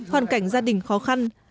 hoàn cảnh gia đình khó khăn